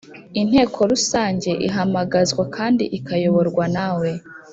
Inteko rusange ihamagazwa kandi ikayoborwa nawe